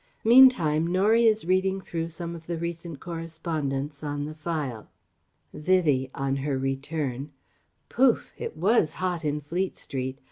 Meantime Norie is reading through some of the recent correspondence on the file.) Vivie (on her return): "Pouf! It was hot in Fleet Street!